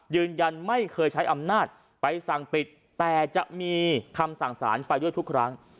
ยืนยันไม่เคยใช้อำนาจไปสั่งปิดแต่จะมีคำสั่งสารไปด้วยทุกครั้ง